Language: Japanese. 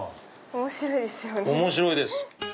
面白いですよね。